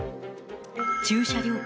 駐車料金